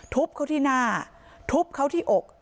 ทุบเขาที่หน้าทุบเขาที่อก